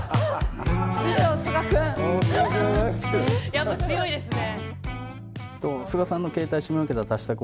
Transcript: やっぱ強いですね。